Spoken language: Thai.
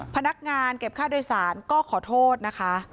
พนักงานเก็บค่าโดยสารก็ขอโทษนะคะ